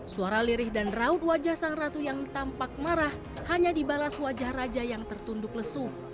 suara lirih dan raut wajah sang ratu yang tampak marah hanya dibalas wajah raja yang tertunduk lesu